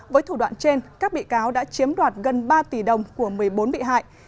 với thủ đoạn trên các bị cáo đã chiếm đoạt gần ba tỷ đồng của một mươi bốn bị hại